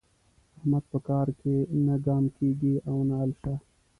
احمد په کار کې نه ګام کېږي او نه الشه.